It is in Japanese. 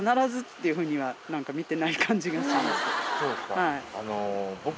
そうですかあの。